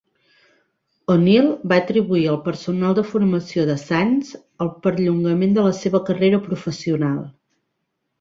O'Neal va atribuir al personal de formació de Suns el perllongament de la seva carrera professional.